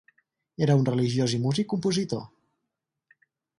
Era un religiós i músic compositor.